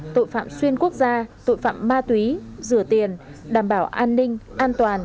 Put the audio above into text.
tội phạm xuyên quốc gia tội phạm ma túy rửa tiền đảm bảo an ninh an toàn